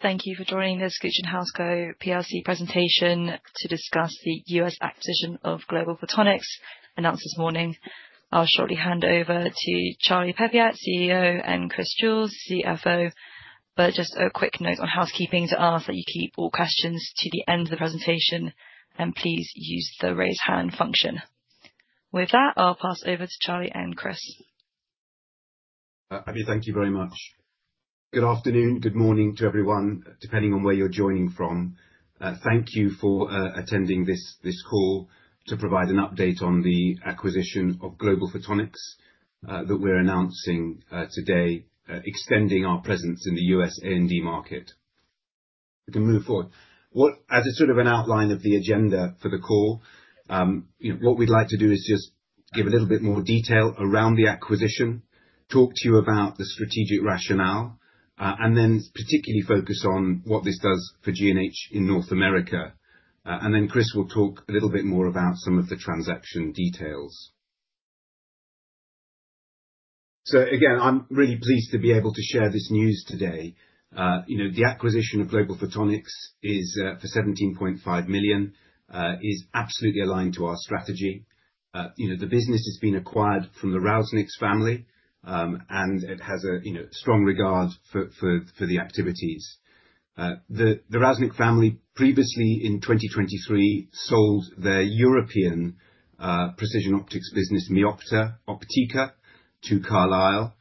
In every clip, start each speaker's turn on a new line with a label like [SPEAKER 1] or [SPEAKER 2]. [SPEAKER 1] Thank you for joining us, Gooch & Housego PLC presentation to discuss the U.S. acquisition of Global Photonics announced this morning. I'll shortly hand over to Charlie Peppiatt, CEO, and Chris Jewell, CFO. Just a quick note on housekeeping to ask that you keep all questions to the end of the presentation and please use the raise hand function. With that, I'll pass over to Charlie and Chris.
[SPEAKER 2] Abby, thank you very much. Good afternoon, good morning to everyone, depending on where you're joining from. Thank you for attending this call to provide an update on the acquisition of Global Photonics that we're announcing today, extending our presence in the U.S. A&D market. We can move forward. As a sort of an outline of the agenda for the call, you know, what we'd like to do is just give a little bit more detail around the acquisition, talk to you about the strategic rationale, and then particularly focus on what this does for G&H in North America. Chris will talk a little bit more about some of the transaction details. Again, I'm really pleased to be able to share this news today. You know, the acquisition of Global Photonics is for $17.5 million is absolutely aligned to our strategy. You know, the business has been acquired from the Rausnitz family, and it has a, you know, strong regard for the activities. The Rausnitz family previously in 2023 sold their European precision optics business, Meopta Optika, to Carlyle.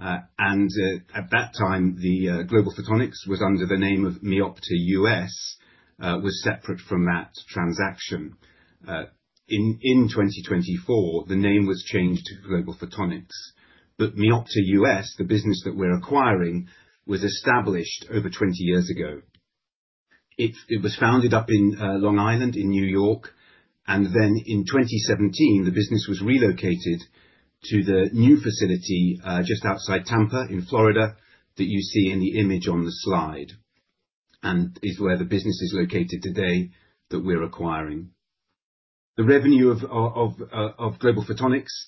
[SPEAKER 2] At that time, Global Photonics was under the name of Meopta US and was separate from that transaction. In 2024, the name was changed to Global Photonics. Meopta US, the business that we're acquiring, was established over 20 years ago. It was founded up in Long Island in New York, then in 2017, the business was relocated to the new facility just outside Tampa in Florida that you see in the image on the slide, and is where the business is located today that we're acquiring. The revenue of Global Photonics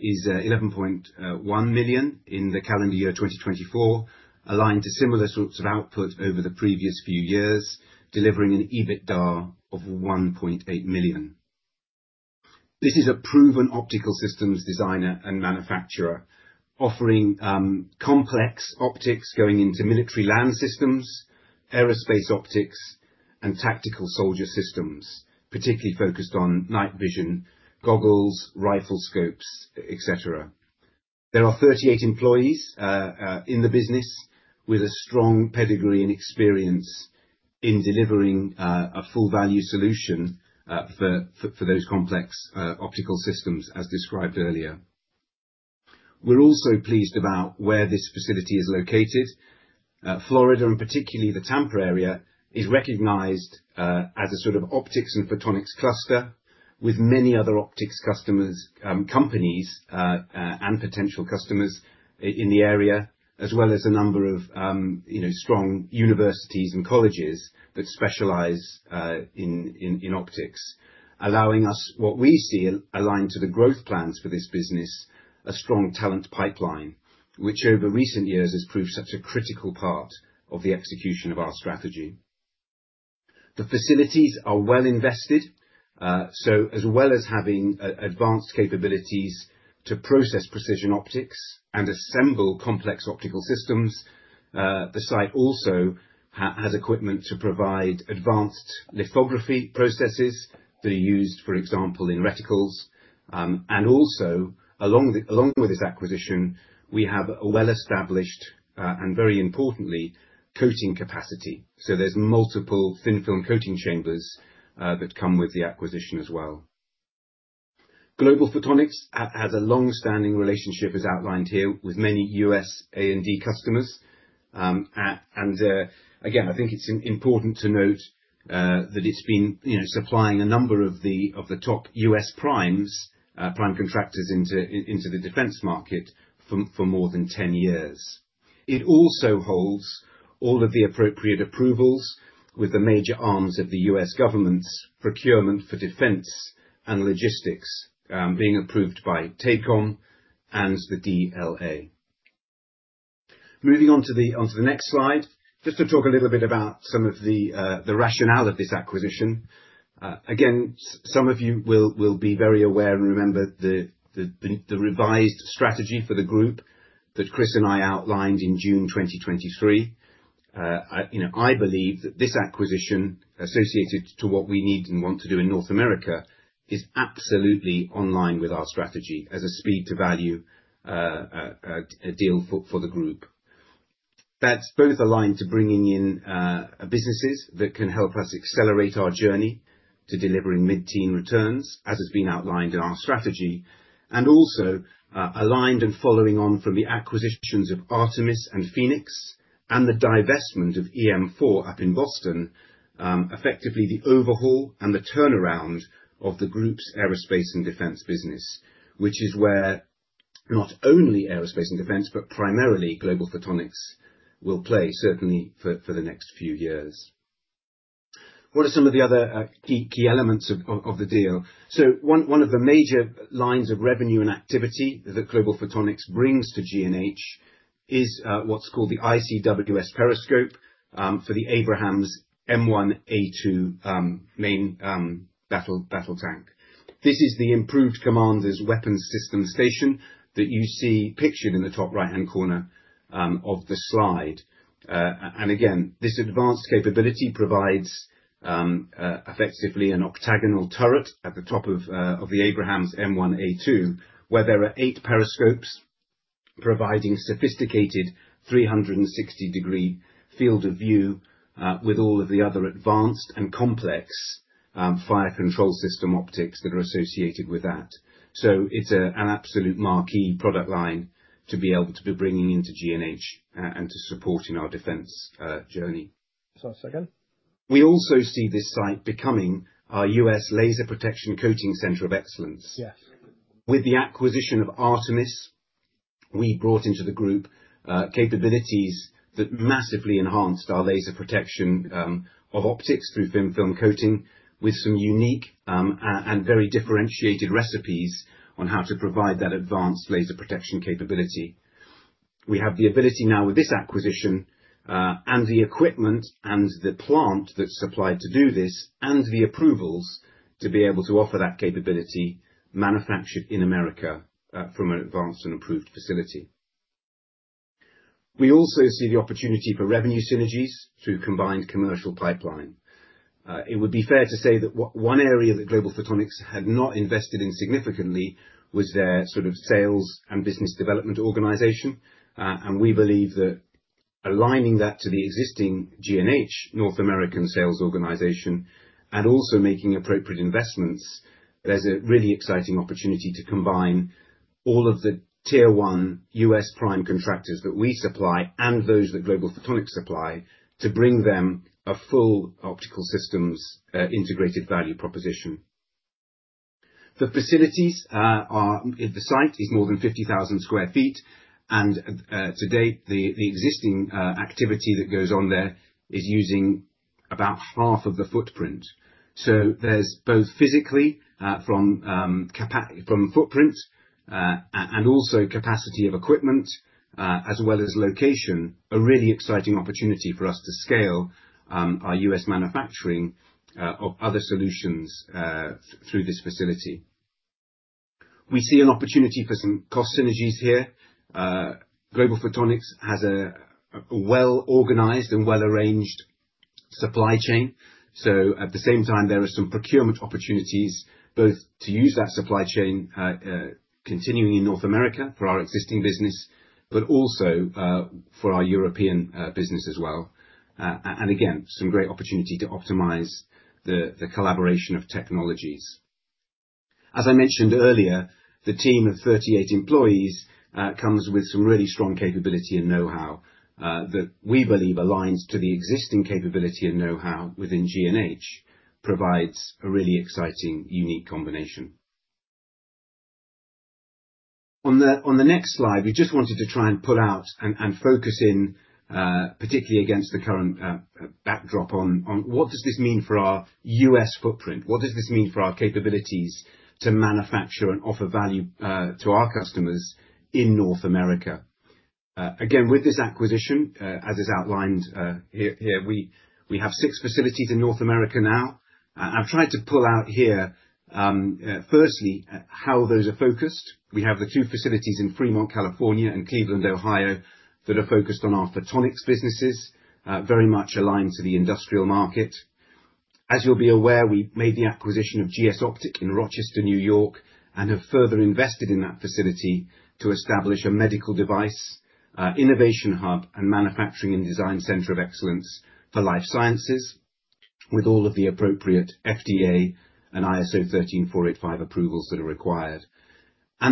[SPEAKER 2] is 11.1 million in the calendar year 2024, aligned to similar sorts of output over the previous few years, delivering an EBITDA of 1.8 million. This is a proven optical systems designer and manufacturer offering complex optics going into military land systems, aerospace optics and tactical soldier systems, particularly focused on night vision goggles, rifle scopes, et cetera. There are 38 employees in the business with a strong pedigree and experience in delivering a full value solution for those complex optical systems as described earlier. We're also pleased about where this facility is located. Florida, and particularly the Tampa area, is recognized as a sort of optics and photonics cluster with many other optics customers, companies, and potential customers in the area, as well as a number of you know, strong universities and colleges that specialize in optics, allowing us what we see aligned to the growth plans for this business, a strong talent pipeline, which over recent years has proved such a critical part of the execution of our strategy. The facilities are well invested, so as well as having advanced capabilities to process precision optics and assemble complex optical systems, the site also has equipment to provide advanced lithography processes that are used, for example, in reticles. Also along with this acquisition, we have a well-established and very importantly coating capacity. There's multiple thin film coating chambers that come with the acquisition as well. Global Photonics has a long-standing relationship, as outlined here, with many U.S. A&D customers. Again, I think it's important to note that it's been you know supplying a number of the top U.S. primes prime contractors into the defense market for more than 10 years. It also holds all of the appropriate approvals with the major arms of the U.S. government's procurement for defense and logistics, being approved by TACOM and the DLA. Moving on to the next slide. Just to talk a little bit about some of the rationale of this acquisition. Again, some of you will be very aware and remember the revised strategy for the group that Chris and I outlined in June 2023. You know, I believe that this acquisition associated to what we need and want to do in North America is absolutely in line with our strategy as a speed to value deal for the group. That's both aligned to bringing in businesses that can help us accelerate our journey to delivering mid-teen returns, as has been outlined in our strategy, and also aligned and following on from the acquisitions of Artemis and Phoenix and the divestment of EM4 up in Boston, effectively the overhaul and the turnaround of the group's aerospace and defense business, which is where not only aerospace and defense, but primarily Global Photonics will play certainly for the next few years. What are some of the other key elements of the deal? One of the major lines of revenue and activity that Global Photonics brings to G&H is what's called the ICWS periscope for the Abrams M1A2 main battle tank. This is the Improved Commander's Weapon Station that you see pictured in the top right-hand corner of the slide. Again, this advanced capability provides effectively an octagonal turret at the top of the Abrams M1A2, where there are eight periscopes providing sophisticated 360-degree field of view with all of the other advanced and complex fire control system optics that are associated with that. It's an absolute marquee product line to be able to be bringing into G&H and to support in our defense journey.
[SPEAKER 3] A second.
[SPEAKER 2] We also see this site becoming our U.S. laser protection coating center of excellence.
[SPEAKER 3] Yes.
[SPEAKER 2] With the acquisition of Artemis, we brought into the group capabilities that massively enhanced our laser protection of optics through thin film coating with some unique and very differentiated recipes on how to provide that advanced laser protection capability. We have the ability now with this acquisition and the equipment and the plant that's supplied to do this and the approvals to be able to offer that capability manufactured in America from an advanced and approved facility. We also see the opportunity for revenue synergies through combined commercial pipeline. It would be fair to say that one area that Global Photonics had not invested in significantly was their sort of sales and business development organization. We believe that aligning that to the existing G&H North American sales organization and also making appropriate investments, there's a really exciting opportunity to combine all of the tier one U.S. prime contractors that we supply and those that Global Photonics supply to bring them a full optical systems, integrated value proposition. The site is more than 50,000 sq ft, and to date, the existing activity that goes on there is using about half of the footprint. There's both physically, from footprint, and also capacity of equipment, as well as location, a really exciting opportunity for us to scale our U.S. manufacturing of other solutions through this facility. We see an opportunity for some cost synergies here. Global Photonics has a well-organized and well-arranged supply chain. At the same time, there are some procurement opportunities both to use that supply chain, continuing in North America for our existing business, but also, for our European, business as well. Again, some great opportunity to optimize the collaboration of technologies. As I mentioned earlier, the team of 38 employees comes with some really strong capability and know-how that we believe aligns to the existing capability and know-how within G&H, provides a really exciting, unique combination. On the next slide, we just wanted to try and pull out and focus in, particularly against the current backdrop on what does this mean for our U.S. footprint? What does this mean for our capabilities to manufacture and offer value to our customers in North America? Again, with this acquisition, as is outlined, here, we have six facilities in North America now. I've tried to pull out here, firstly how those are focused. We have the two facilities in Fremont, California and Cleveland, Ohio, that are focused on our photonics businesses, very much aligned to the industrial market. As you'll be aware, we made the acquisition of GS Optics in Rochester, New York, and have further invested in that facility to establish a medical device, innovation hub and manufacturing and design center of excellence for life sciences, with all of the appropriate FDA and ISO 13485 approvals that are required.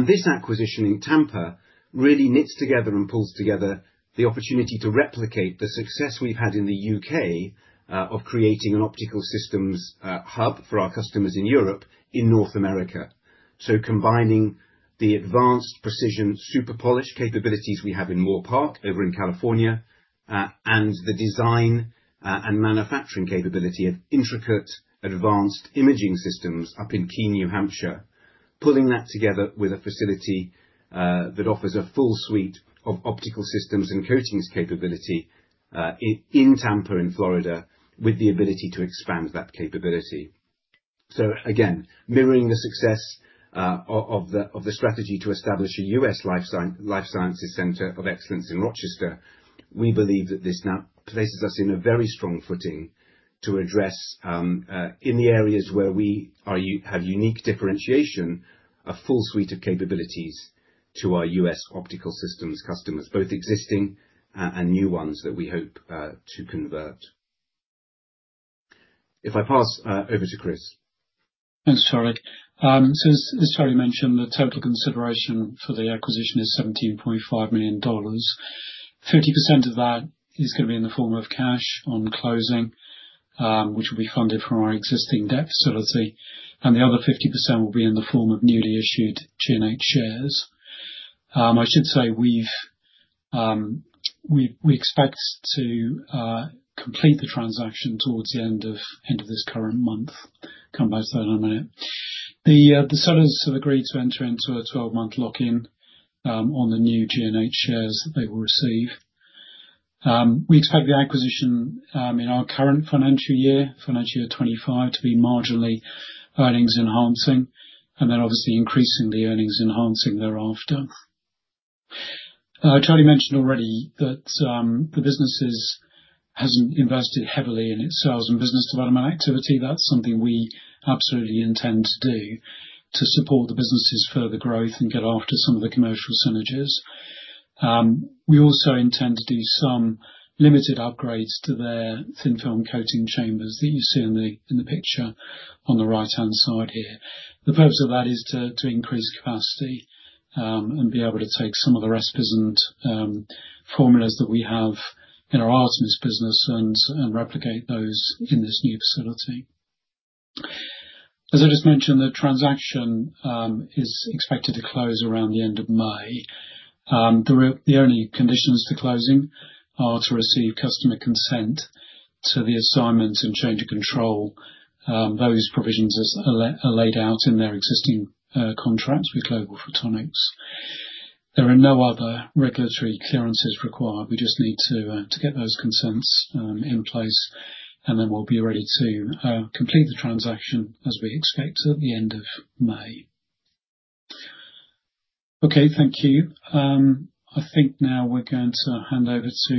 [SPEAKER 2] This acquisition in Tampa really knits together and pulls together the opportunity to replicate the success we've had in the UK, of creating an optical systems hub for our customers in Europe, in North America. Combining the advanced precision super polish capabilities we have in Moorpark over in California, and the design and manufacturing capability of intricate advanced imaging systems up in Keene, New Hampshire, pulling that together with a facility that offers a full suite of optical systems and coatings capability, in Tampa, in Florida, with the ability to expand that capability. Again, mirroring the success of the strategy to establish a U.S. life sciences center of excellence in Rochester, we believe that this now places us in a very strong footing to address in the areas where we have unique differentiation, a full suite of capabilities to our U.S. optical systems customers, both existing and new ones that we hope to convert. If I pass over to Chris.
[SPEAKER 3] Thanks, Charlie. So as Charlie mentioned, the total consideration for the acquisition is $17.5 million. 50% of that is gonna be in the form of cash on closing, which will be funded from our existing debt facility, and the other 50% will be in the form of newly issued G&H shares. I should say we expect to complete the transaction towards the end of this current month. Come back to that in a minute. The sellers have agreed to enter into a 12-month lock-in on the new G&H shares that they will receive. We expect the acquisition in our current financial year 2025 to be marginally earnings enhancing and then obviously increasing the earnings enhancing thereafter. Charlie mentioned already that, the business hasn't invested heavily in its sales and business development activity. That's something we absolutely intend to do to support the business's further growth and get after some of the commercial synergies. We also intend to do some limited upgrades to their thin film coating chambers that you see in the picture on the right-hand side here. The purpose of that is to increase capacity, and be able to take some of the recipes and formulas that we have in our Arcis business and replicate those in this new facility. As I just mentioned, the transaction is expected to close around the end of May. The only conditions to closing are to receive customer consent to the assignment and change of control. Those provisions are laid out in their existing contracts with Global Photonics. There are no other regulatory clearances required. We just need to get those consents in place, and then we'll be ready to complete the transaction as we expect at the end of May. Okay, thank you. I think now we're going to hand over to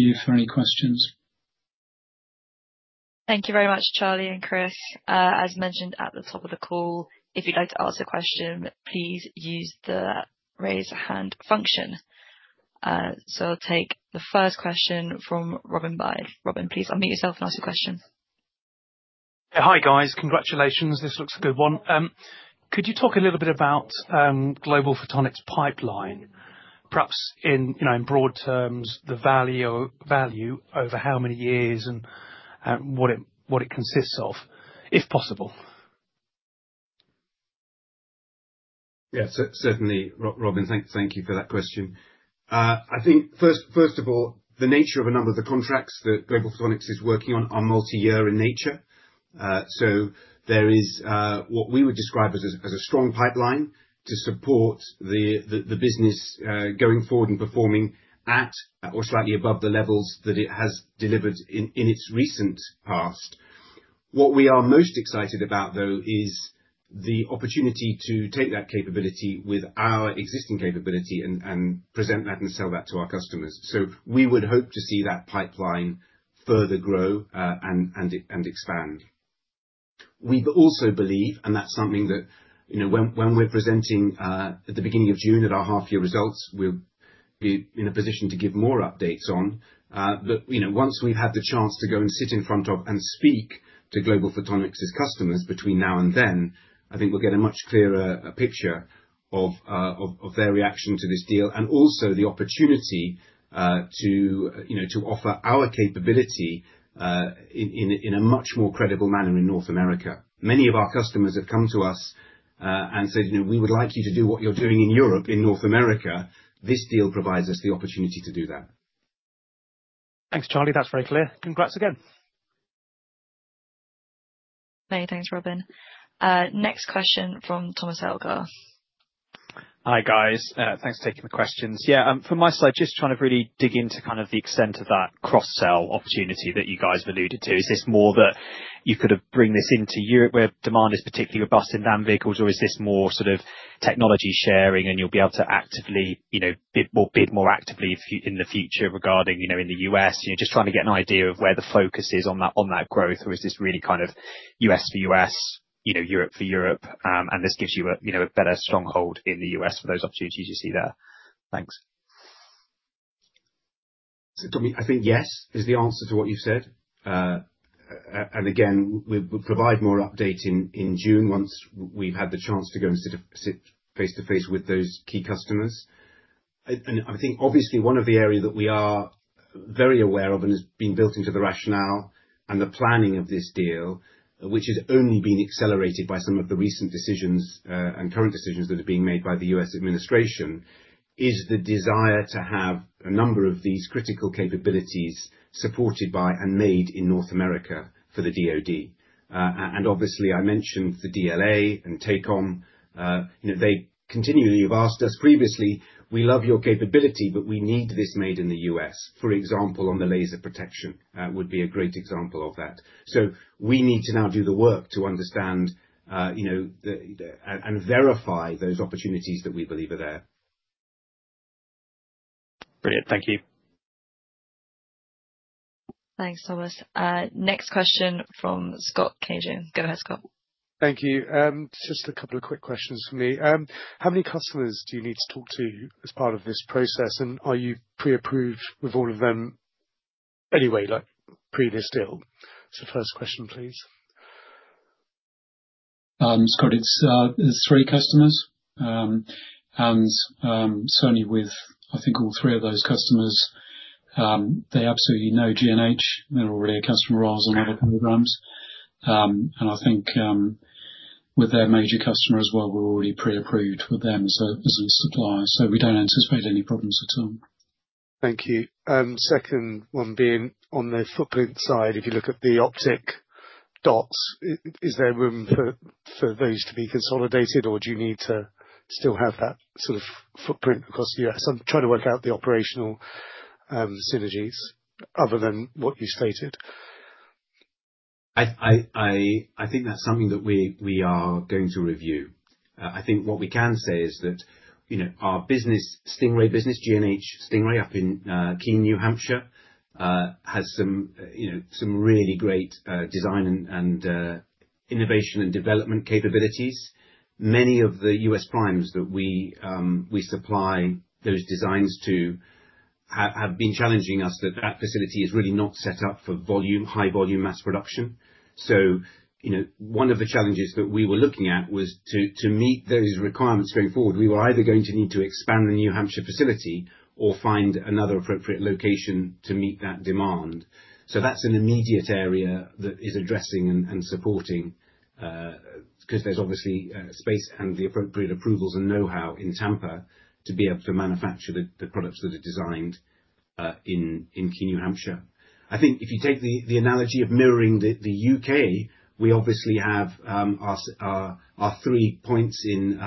[SPEAKER 3] you for any questions.
[SPEAKER 1] Thank you very much, Charlie and Chris. As mentioned at the top of the call, if you'd like to ask a question, please use the Raise Hand function. I'll take the first question from Robin Byde. Robin, please unmute yourself and ask your question.
[SPEAKER 4] Hi, guys. Congratulations, this looks a good one. Could you talk a little bit about Global Photonics' pipeline? Perhaps in, you know, in broad terms, the value over how many years and what it consists of, if possible.
[SPEAKER 2] Yeah, certainly, Robin. Thank you for that question. I think first of all, the nature of a number of the contracts that Global Photonics is working on are multi-year in nature. There is what we would describe as a strong pipeline to support the business going forward and performing at or slightly above the levels that it has delivered in its recent past. What we are most excited about though is the opportunity to take that capability with our existing capability and present that and sell that to our customers. We would hope to see that pipeline further grow and expand. We also believe, and that's something that, you know, when we're presenting at the beginning of June at our half-year results, we'll be in a position to give more updates on that, you know, once we've had the chance to go and sit in front of and speak to Global Photonics' customers between now and then. I think we'll get a much clearer picture of their reaction to this deal, and also the opportunity to, you know, to offer our capability in a much more credible manner in North America. Many of our customers have come to us and said, "You know, we would like you to do what you're doing in Europe, in North America." This deal provides us the opportunity to do that.
[SPEAKER 4] Thanks, Charlie. That's very clear. Congrats again.
[SPEAKER 1] Many thanks, Robin. Next question from Thomas Elgar.
[SPEAKER 5] Hi, guys. Thanks for taking the questions. Yeah, from my side, just trying to really dig into kind of the extent of that cross-sell opportunity that you guys have alluded to. Is this more that you could bring this into Europe, where demand is particularly robust in van vehicles, or is this more sort of technology sharing and you'll be able to actively, you know, bit more actively in the future regarding, you know, in the US? You know, just trying to get an idea of where the focus is on that growth. Or is this really kind of US for US, you know, Europe for Europe, and this gives you a better stronghold in the US for those opportunities you see there? Thanks.
[SPEAKER 2] Thomas, I think yes is the answer to what you said. We'll provide more updates in June once we've had the chance to go and sit face-to-face with those key customers. I think obviously one of the areas that we are very aware of and has been built into the rationale and the planning of this deal, which has only been accelerated by some of the recent decisions and current decisions that are being made by the U.S. administration, is the desire to have a number of these critical capabilities supported by and made in North America for the DoD. Obviously, I mentioned the DLA and TACOM, you know, they continually have asked us previously, "We love your capability, but we need this made in the U.S." For example, on the laser protection would be a great example of that. We need to now do the work to understand and verify those opportunities that we believe are there.
[SPEAKER 5] Brilliant. Thank you.
[SPEAKER 1] Thanks, Thomas. Next question from Scott Cagehin. Go ahead, Scott.
[SPEAKER 6] Thank you. Just a couple of quick questions from me. How many customers do you need to talk to as part of this process? Are you pre-approved with all of them anyway, like pre this deal? That's the first question, please.
[SPEAKER 2] Scott, it's three customers. Certainly with, I think all three of those customers, they absolutely know G&H. They're already a customer of ours on other programs.
[SPEAKER 3] I think, with their major customer as well, we're already pre-approved with them so as a supplier, so we don't anticipate any problems at all.
[SPEAKER 6] Thank you. Second one being on the footprint side, if you look at the optic dots, is there room for those to be consolidated, or do you need to still have that sort of footprint across the U.S.? I'm trying to work out the operational synergies other than what you stated.
[SPEAKER 2] I think that's something that we are going to review. I think what we can say is that, you know, our business, Stingray business, G&H Stingray up in Keene, New Hampshire, has some, you know, some really great design and innovation and development capabilities. Many of the U.S. primes that we supply those designs to have been challenging us that facility is really not set up for volume, high volume mass production. You know, one of the challenges that we were looking at was to meet those requirements going forward, we were either going to need to expand the New Hampshire facility or find another appropriate location to meet that demand. That's an immediate area that is addressing and supporting, 'cause there's obviously space and the appropriate approvals and know-how in Tampa to be able to manufacture the products that are designed in Keene, New Hampshire. I think if you take the analogy of mirroring the UK, we obviously have our three points in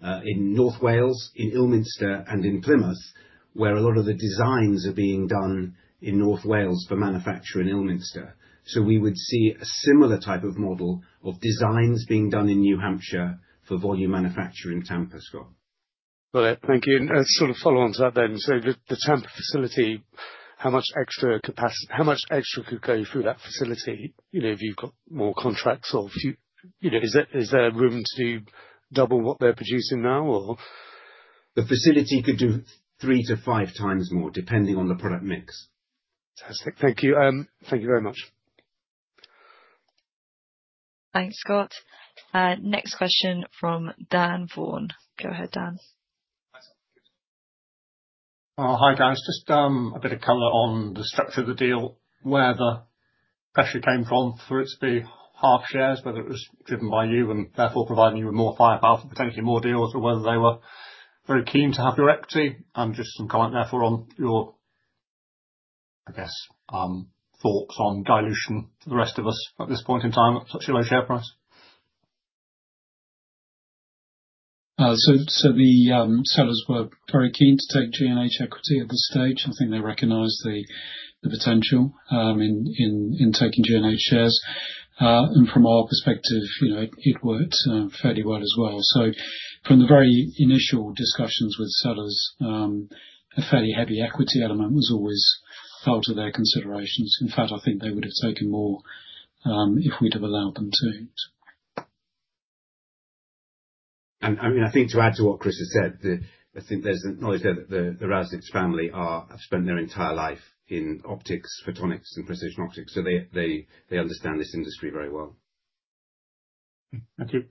[SPEAKER 2] North Wales, in Ilminster and in Plymouth, where a lot of the designs are being done in North Wales for manufacture in Ilminster. We would see a similar type of model of designs being done in New Hampshire for volume manufacture in Tampa, Scott.
[SPEAKER 6] Got it. Thank you. Sort of follow on to that then. The Tampa facility, how much extra could go through that facility, you know, if you got more contracts or if you know, is there room to double what they're producing now or?
[SPEAKER 2] The facility could do three to five times more, depending on the product mix.
[SPEAKER 6] Fantastic. Thank you. Thank you very much.
[SPEAKER 1] Thanks, Scott. Next question from Dan Vaughan. Go ahead, Dan.
[SPEAKER 7] Hi, guys. Just a bit of color on the structure of the deal, where the pressure came from for it to be half shares, whether it was driven by you and therefore providing you with more firepower for potentially more deals or whether they were very keen to have your equity. Just some comment therefore on your, I guess, thoughts on dilution for the rest of us at this point in time at such a low share price.
[SPEAKER 3] The sellers were very keen to take G&H equity at this stage. I think they recognized the potential in taking G&H shares. From our perspective, you know, it worked fairly well as well. From the very initial discussions with sellers, a fairly heavy equity element was always part of their considerations. In fact, I think they would have taken more if we'd have allowed them to.
[SPEAKER 2] I mean, I think to add to what Chris has said, I think there's the knowledge there that the Rausnitz family have spent their entire life in optics, photonics and precision optics, so they understand this industry very well.
[SPEAKER 7] Thank you.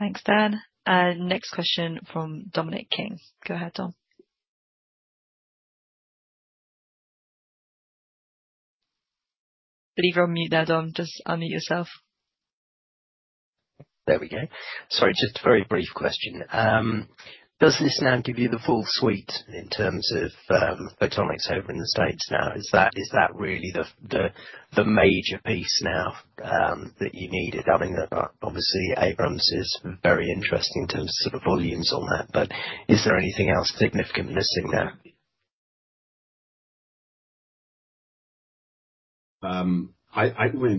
[SPEAKER 1] Thanks, Dan. Next question from Dominic King. Go ahead, Dom. I believe you're on mute there, Dom. Just unmute yourself.
[SPEAKER 7] Sorry, just a very brief question. Does this now give you the full suite in terms of photonics over in the States now? Is that really the major piece now that you needed? I mean, obviously Abrams is very interesting in terms of sort of volumes on that, but is there anything else significant missing now?
[SPEAKER 2] Well,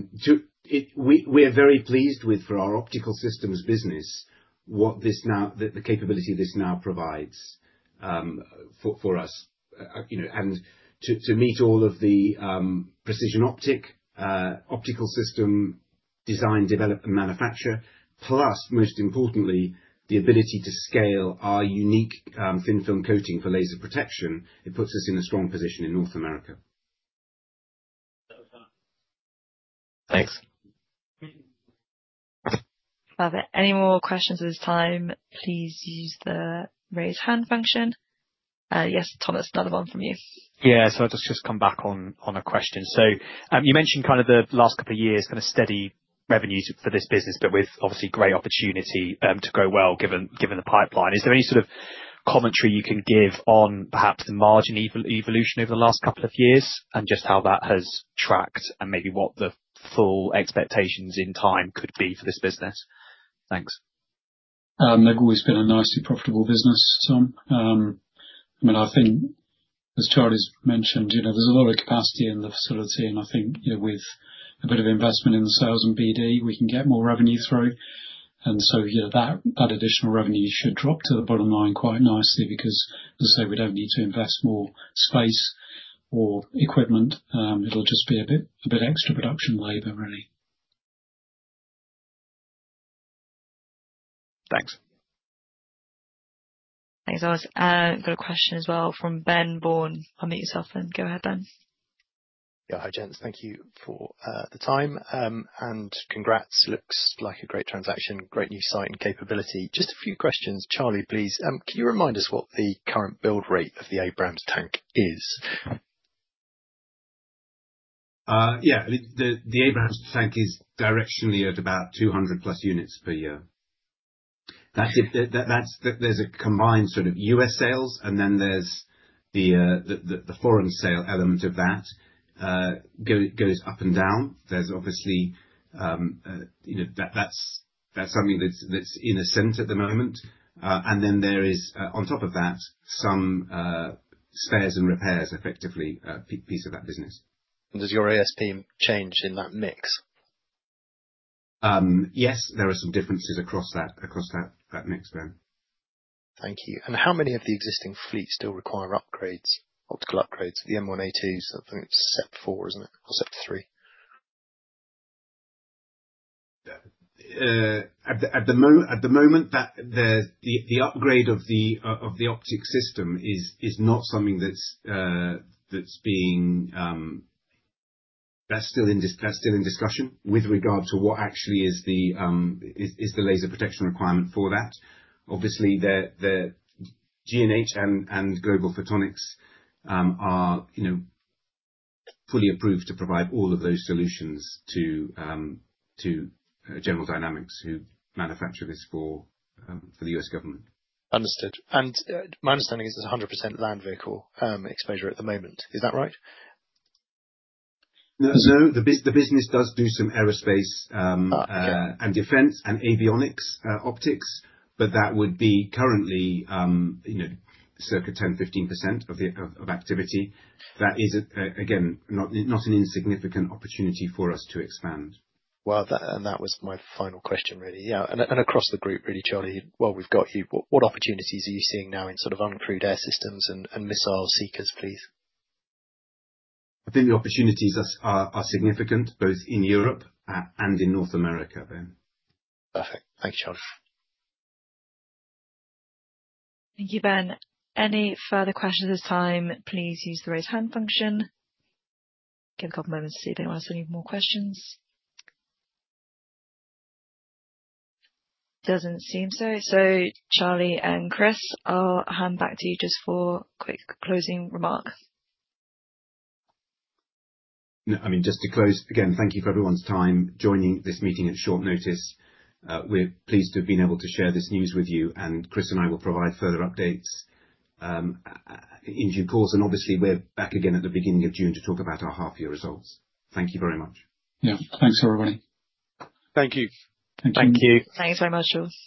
[SPEAKER 2] we're very pleased with, for our optical systems business, the capability this now provides for us. You know, to meet all of the precision optical system design, develop and manufacture, plus most importantly, the ability to scale our unique thin film coating for laser protection. It puts us in a strong position in North America.
[SPEAKER 7] Thanks.
[SPEAKER 1] Love it. Any more questions at this time, please use the Raise Hand function. Yes, Thomas, another one from you.
[SPEAKER 5] Yeah, I'll just come back on a question. You mentioned kind of the last couple of years, kind of steady revenues for this business, but with obviously great opportunity to grow well, given the pipeline. Is there any sort of commentary you can give on perhaps the margin evolution over the last couple of years and just how that has tracked and maybe what the full expectations in time could be for this business? Thanks.
[SPEAKER 3] They've always been a nicely profitable business, Thomas. I mean, I think as Charlie's mentioned, you know, there's a lot of capacity in the facility, and I think, you know, with a bit of investment in the sales and BD, we can get more revenue through. You know, that additional revenue should drop to the bottom line quite nicely because, as I say, we don't need to invest more space or equipment. It'll just be a bit extra production labor really.
[SPEAKER 5] Thanks.
[SPEAKER 1] Thanks, Thomas. Got a question as well from Ben Vaughan. Unmute yourself, Ben. Go ahead, Ben.
[SPEAKER 7] Yeah. Hi, gents. Thank you for the time, and congrats. Looks like a great transaction, great new site and capability. Just a few questions. Charlie, please, can you remind us what the current build rate of the Abrams tank is?
[SPEAKER 2] Yeah. The Abrams Tank is directionally at about 200+ units per year. That's it. That's. There's a combined sort of U.S. sales, and then there's the foreign sale element of that, goes up and down. There's obviously, you know, that's something that's in ascent at the moment. And then there is, on top of that, some spares and repairs effectively, piece of that business.
[SPEAKER 7] Does your AS team change in that mix?
[SPEAKER 2] Yes. There are some differences across that mix, Ben.
[SPEAKER 7] Thank you. How many of the existing fleet still require upgrades, optical upgrades to the M1A2? I think it's SEP 4, isn't it? Or SEP 3.
[SPEAKER 2] Yeah. At the moment, the upgrade of the optic system is not something that's being. That's still in discussion with regard to what actually is the laser protection requirement for that. Obviously, the G&H and Global Photonics are, you know, fully approved to provide all of those solutions to General Dynamics, who manufacture this for the U.S. government.
[SPEAKER 7] Understood. My understanding is it's 100% land vehicle exposure at the moment. Is that right?
[SPEAKER 2] No. The business does do some aerospace.
[SPEAKER 7] Okay.
[SPEAKER 2] Defense and avionics optics, but that would be currently, you know, circa 10%-15% of activity. That is, again, not an insignificant opportunity for us to expand.
[SPEAKER 7] Well, that was my final question, really. Yeah. Across the group, really, Charlie, while we've got you, what opportunities are you seeing now in sort of uncrewed air systems and missile seekers, please?
[SPEAKER 2] I think the opportunities are significant both in Europe and in North America, Ben.
[SPEAKER 7] Perfect. Thanks, Charlie.
[SPEAKER 1] Thank you, Ben. Any further questions at this time, please use the raise hand function. Give a couple moments to see if anyone has any more questions. Doesn't seem so. Charlie and Chris, I'll hand back to you just for quick closing remarks.
[SPEAKER 2] No, I mean, just to close, again, thank you for everyone's time joining this meeting at short notice. We're pleased to have been able to share this news with you, and Chris and I will provide further updates in due course. Obviously, we're back again at the beginning of June to talk about our half year results. Thank you very much.
[SPEAKER 3] Yeah. Thanks, everybody. Thank you. Thank you.
[SPEAKER 1] Thanks very much, Jules.